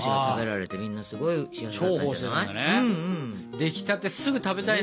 出来たてすぐ食べたいね。